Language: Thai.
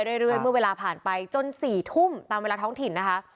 เรื่อยเมื่อเวลาผ่านไปจน๔ทุ่มตามเวลาท้องถิ่นนะคะ